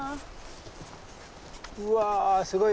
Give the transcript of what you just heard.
うわすごい！